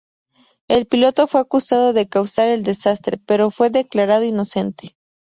El piloto fue acusado de causar el desastre, pero fue declarado inocente.